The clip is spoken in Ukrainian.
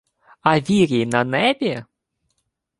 — А вірій на небі?